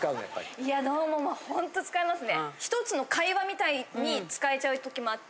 「いやどうも」もホント使いますね。